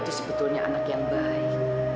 itu sebetulnya anak yang baik